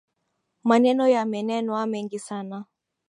Maneno yamenenwa mengi sana